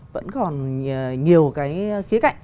vẫn còn nhiều cái khía cạnh